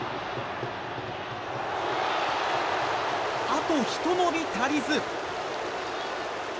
あとひと伸び足りず。